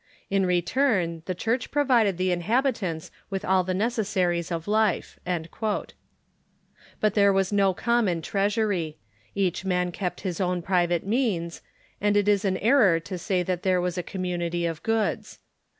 In return the Church provided the inhabitants with all the necessaries of life.'' But there was no common treasury ; each man kept his own private means ; and it is an error to say that there was a community of goods.